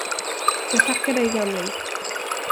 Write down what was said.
Jag tackar dig, gamling!